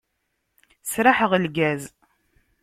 Sraḥeɣ lgaz.